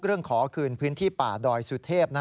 เรื่องขอคืนพื้นที่ป่าดอยสุเทพ